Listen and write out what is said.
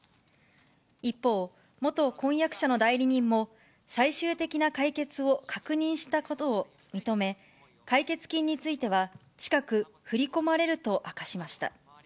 一方、元婚約者の代理人も、最終的な解決を確認したことを認め、解決金については近く振り込まれると明かしました。